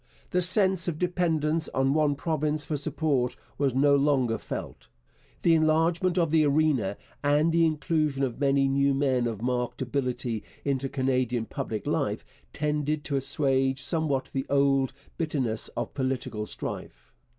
The sense of dependence on one province for support was no longer felt. The enlargement of the arena and the inclusion of many new men of marked ability into Canadian public life tended to assuage somewhat the old time bitterness of political strife.